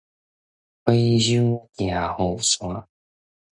和尚攑雨傘